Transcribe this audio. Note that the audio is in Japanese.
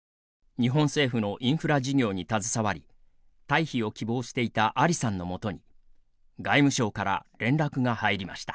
日本政府のインフラ事業に携わり退避を希望していたアリさんの元に外務省から連絡が入りました。